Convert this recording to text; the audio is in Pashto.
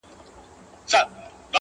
ناروغان یې ماشومان او بوډاګان کړل-